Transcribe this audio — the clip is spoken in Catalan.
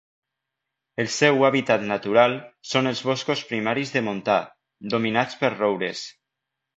El seu hàbitat natural són els boscos primaris de montà dominats per roures.